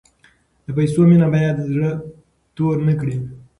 د پیسو مینه باید زړه تور نکړي.